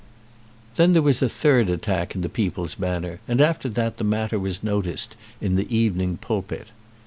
Then there was a third attack in the "People's Banner," and after that the matter was noticed in the "Evening Pulpit."